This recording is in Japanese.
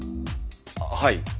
はい。